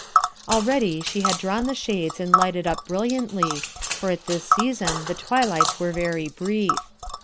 Already she had drawn the shadow and lighted up brilliantly, for at tliis season tho twilight* were very brief.